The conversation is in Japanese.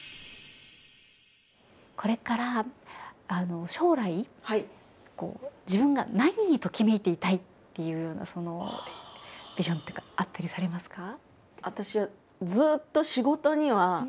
これから将来自分が何にときめいていたいっていうようなそのビジョンっていうかあったりされますか？